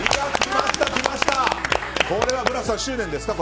これはブラスさん、執念ですか？